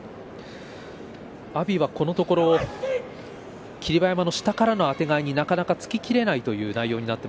阿炎は、このところ霧馬山の下からのあてがいになかなか突ききれない内容です。